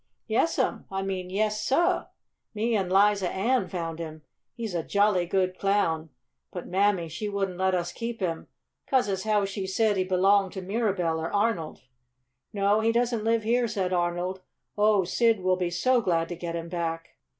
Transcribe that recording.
"Yes'm I mean yes, sah! Me an' Liza Ann found him. He's a jolly good Clown; but Mammy, she wouldn't let us keep him 'cause as how she said he belonged to Mirabell or Arnold." "No, he doesn't live here," said Arnold. "Oh, Sid will be so glad to get him back!"